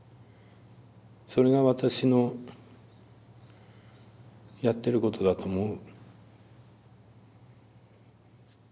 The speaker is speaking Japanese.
それが私のやってることだと思う。